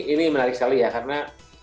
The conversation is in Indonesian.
ini menarik sekali ya karena